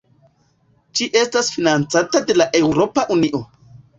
Ĝi estas financata de la Eŭropa Unio.